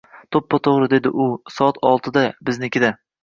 To`ppa-to`g`ri, dedi u, soat oltida, biznikida